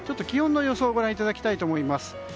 気温の予想をご覧いただきたいと思います。